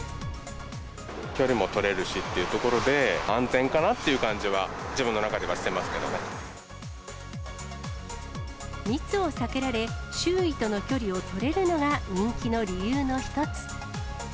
距離も取れるしっていうところで、安全かなっていう感じは、密を避けられ、周囲との距離を取れるのが、人気の理由の一つ。